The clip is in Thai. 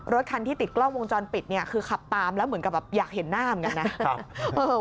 รถคันที่ติดกล้องวงจรปิดเนี่ยคือขับตามแล้วเหมือนกับแบบอยากเห็นหน้าเหมือนกันนะ